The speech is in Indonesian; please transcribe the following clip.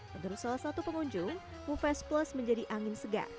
menurut salah satu pengunjung uvest plus menjadi angin segar